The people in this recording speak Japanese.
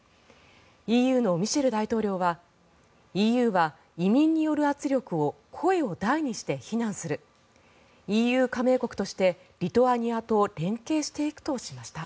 ＥＵのミシェル大統領はＥＵは移民による圧力を声を大にして非難するＥＵ加盟国としてリトアニアと連携していくとしました。